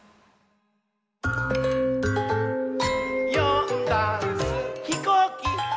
「よんだんす」「ひこうき」！